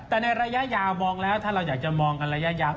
แต่ในระยะยาวมองแล้วถ้าเราอยากจะมองกันระยะยาว